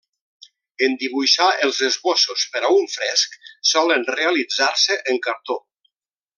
En dibuixar els esbossos per a un fresc, solen realitzar-se en cartó.